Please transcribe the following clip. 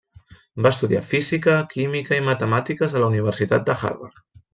Va estudiar física, química i matemàtiques a la Universitat Harvard.